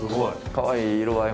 かわいい色合い。